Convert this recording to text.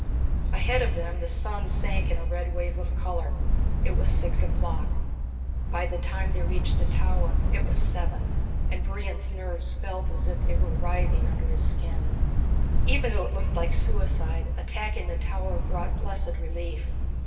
Ahead of them the sun sank in a red wave of color. It was six o'clock. By the time they reached the tower it was seven, and Brion's nerves felt as if they were writhing under his skin. Even though it looked like suicide, attacking the tower brought blessed relief.